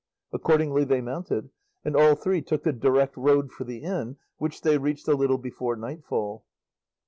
Accordingly they mounted and all three took the direct road for the inn, which they reached a little before nightfall.